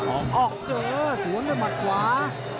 ออกออกเจอสวนด้วยหมัดขวา